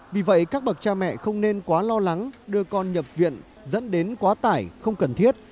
vì vậy các bậc cha mẹ không nên quá lo lắng đưa con nhập viện dẫn đến quá tải không cần thiết